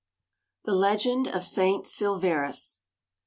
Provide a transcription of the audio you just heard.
THE LEGEND OF SAINT SILVERUS.